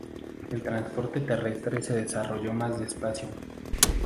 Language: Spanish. El transporte terrestre se desarrolló más despacio.